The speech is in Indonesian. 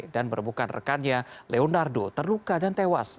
dan berbukan rekannya leonardo terluka dan tewas